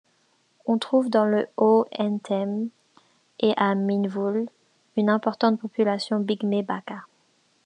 On trouve, dans le Haut-Ntem et à Minvoul, une importante population pygmée Baka.